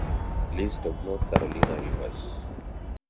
List of North Carolina Rivers